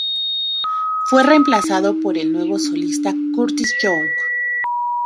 Fue reemplazado por el nuevo solista Curtis Young.